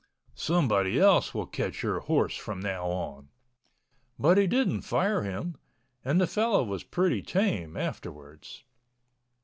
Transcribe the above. Somebody else will catch your horse from now on." But he didn't fire him, and the fellow was pretty tame afterwards.